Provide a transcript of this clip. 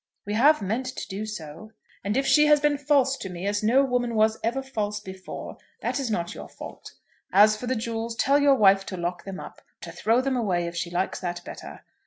"We have meant to do so." "And if she has been false to me as no woman was ever false before, that is not your fault. As for the jewels, tell your wife to lock them up, or to throw them away if she likes that better.